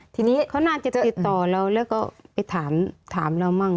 ทีนี้เขาน่าจะติดต่อเราแล้วก็ไปถามเรามั่ง